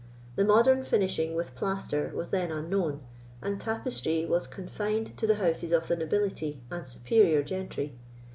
The modern finishing with plaster was then unknown, and tapestry was confined to the houses of the nobility and superior gentry.